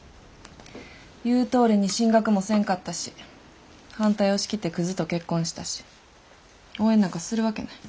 言うとおりに進学もせんかったし反対を押し切ってクズと結婚したし応援なんかするわけない。